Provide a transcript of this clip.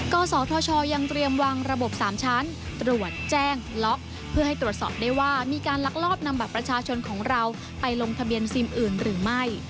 กศธชยังเตรียมวางระบบ๓ชั้นตรวจแจ้งล็อกเพื่อให้ตรวจสอบได้ว่ามีการลักลอบนำบัตรประชาชนของเราไปลงทะเบียนซิมอื่นหรือไม่